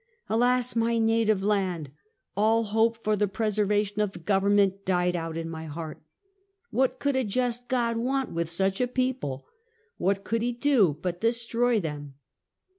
Alas, my native land! All hope for the preservation of the government died out in my heart. What could a just God want with such a people? What could he do but destroy them?